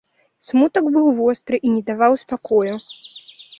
Смутак быў востры і не даваў спакою.